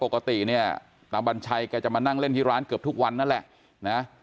แกจะมานั่งเล่นที่ร้านเกือบทุกวันนั่นแหละนะฮะ